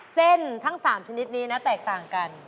ทั้ง๓ชนิดนี้นะแตกต่างกัน